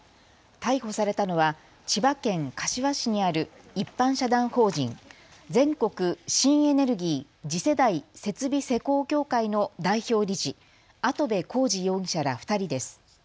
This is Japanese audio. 逮捕されたのは千葉県柏市にある一般社団法人全国新エネルギー次世代設備施工協会の代表理事、跡部浩二容疑者ら２人です。